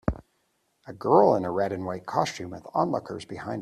A girl in a red and white costume with onlookers behind her